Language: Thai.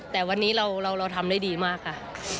แต่วันนี้เราทำได้ดีมากค่ะ